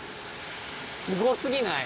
すごすぎない？